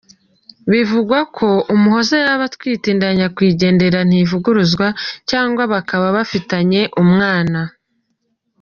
Bivugwa ko Umuhoza yaba atwite inda ya Nyakwigendera Ntivuguruzwa cyangwa bakaba bafitanye umwana.